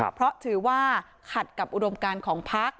เพราะถือว่าขัดกับอุดมการของพัก